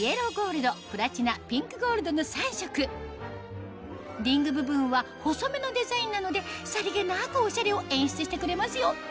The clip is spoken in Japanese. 色はの３色リング部分は細めのデザインなのでさりげなくおしゃれを演出してくれますよ